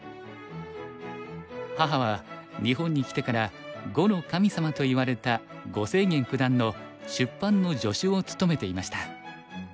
母は日本に来てから碁の神様といわれた呉清源九段の出版の助手を務めていました。